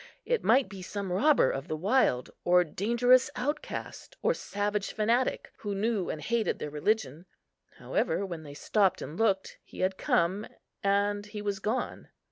It might be some robber of the wild, or dangerous outcast, or savage fanatic, who knew and hated their religion; however, while they stopped and looked, he had come, and he was gone.